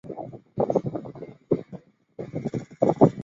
半岛上主要为丘陵地形。